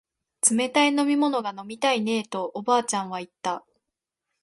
冷たい飲み物が飲みたいねえとおばあちゃんは言った